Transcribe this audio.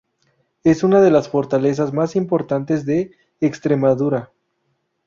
Es una de las fortalezas más importantes de Extremadura.